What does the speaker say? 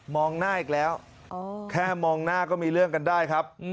หน้าอีกแล้วแค่มองหน้าก็มีเรื่องกันได้ครับ